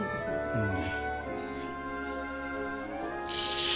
うん。